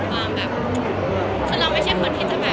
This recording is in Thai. ขอบคุณภาษาให้ด้วยเนี่ย